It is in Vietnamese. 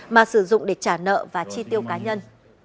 mà sử dụng để trả nợ và chi tiêu cá nhân